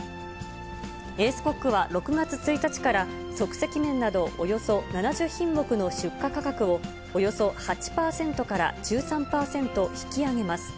エースコックは、６月１日から、即席麺などおよそ７０品目の出荷価格を、およそ８％から１３％引き上げます。